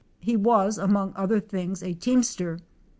He was, among other things, a teamster.